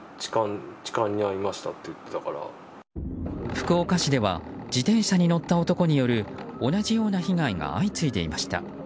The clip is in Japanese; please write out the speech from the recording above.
福岡市では自転車に乗った男による同じような被害が相次いでいました。